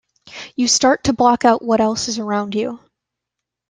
You start to block out what else is around you.